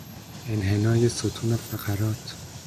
انحنای ستون فقرات